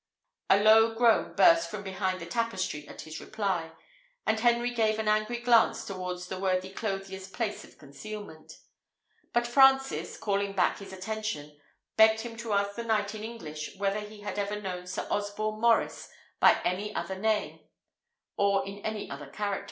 A low groan burst from behind the tapestry at this reply, and Henry gave an angry glance towards the worthy clothier's place of concealment; but Francis, calling back his attention, begged him to ask the knight in English whether he had ever known Sir Osborne Maurice by any other name, or in any other character.